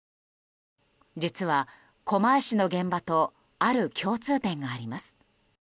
実は、狛江市の現場とある共通点があります。